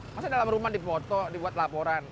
masa dalam rumah dipoto dibuat laporan